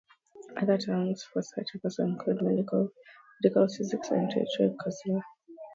Other terms for such a person include medical clairvoyant, medical psychic or intuitive counselor.